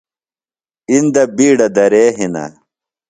اِندہ بِیڈہ درے ہِنہ۔